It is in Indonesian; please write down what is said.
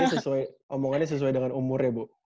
ini sesuai omongannya sesuai dengan umurnya bu